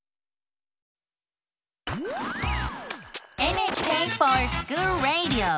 「ＮＨＫｆｏｒＳｃｈｏｏｌＲａｄｉｏ」。